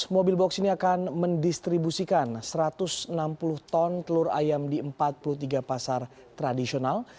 lima ratus mobil box ini akan mendistribusikan satu ratus enam puluh ton telur ayam di empat puluh tiga pasar tradisional